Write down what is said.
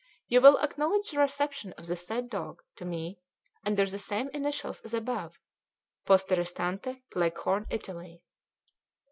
You will acknowledge the reception of the said dog to me under the same initials as above, Poste Restante, Leghorn, Italy.